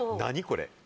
これ。